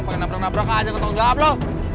pakai nabrak nabrak aja tetep jawab lo